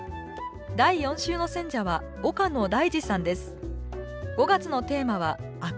第４週の選者は岡野大嗣さんです